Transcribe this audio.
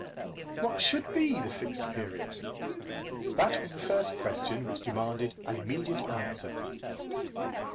What should be the Fixed Period? That was the first question which demanded an immediate answer.